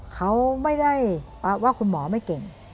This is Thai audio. เขาไม่ได้ว่าคุณหมอไม่เก่ง